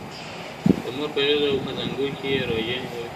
د مور په غېږ او په زانګو کي یې روژې نیولې !.